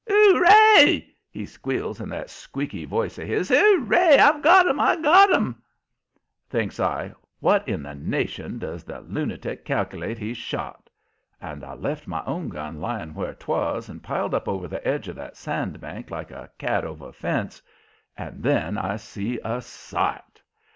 "Hooray!" he squeals, in that squeaky voice of his. "Hooray! I've got 'em! I've got 'em!" Thinks I, "What in the nation does the lunatic cal'late he's shot?" And I left my own gun laying where 'twas and piled up over the edge of that sand bank like a cat over a fence. And then I see a sight.